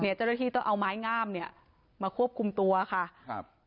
เจ้าหน้าที่ต้องเอาไม้งามเนี่ยมาควบคุมตัวค่ะครับ